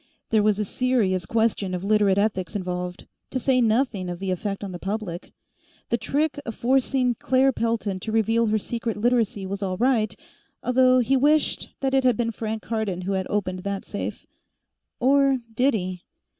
There was a serious question of Literate ethics involved, to say nothing of the effect on the public. The trick of forcing Claire Pelton to reveal her secret Literacy was all right, although he wished that it had been Frank Cardon who had opened that safe. Or did he?